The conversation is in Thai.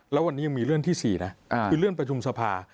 แล้ววันนี้ยังมีเลื่อนที่๔นะคือเลื่อนประชุมสภา